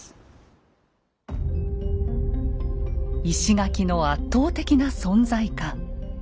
石垣の圧倒的な存在感。